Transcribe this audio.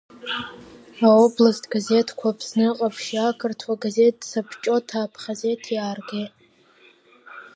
Аобласт газеҭқәа Аԥсны ҟаԥшьи ақырҭуа газеҭ Сабҷоҭа аԥхазеҭии ааргеит.